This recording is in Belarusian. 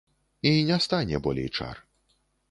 І не стане болей чар.